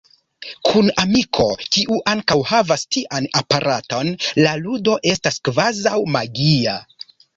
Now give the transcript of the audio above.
Kun amiko, kiu ankaŭ havas tian aparaton, la ludo estas kvazaŭ magia.